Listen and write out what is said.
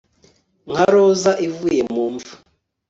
Nka roza ivuye mu mva